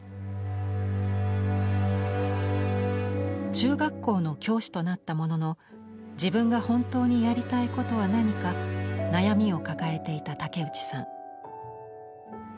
中学校の教師となったものの自分が本当にやりたいことは何か悩みを抱えていた竹内さん。